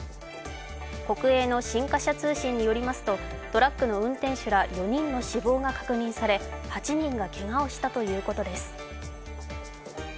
国営の新華社通信によりますと、トラックの運転手ら４人の死亡が確認され、８人がけがをしたということです。